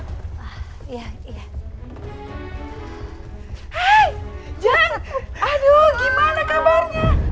hei jan aduh gimana kabarnya